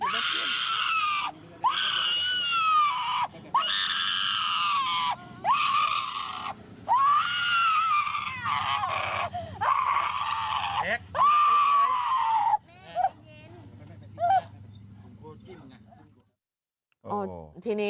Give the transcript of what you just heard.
เมหเนี๋นเห้อ